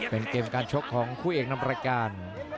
เป็นเกมการชกของคู่เอกนำรายการ